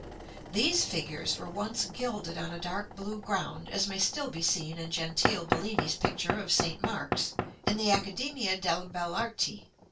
These figures were once gilded on a dark blue ground, as may still be seen in Gentile Bellini's picture of St. Mark's in the Accademia delle Belle Arti.